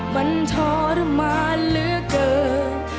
มันทรมานเหลือเกิน